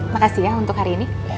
makasih ya untuk hari ini